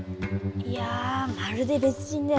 いやまるで別人だよ。